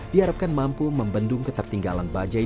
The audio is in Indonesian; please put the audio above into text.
diharapkan mampu membendung ketertinggalan bajaj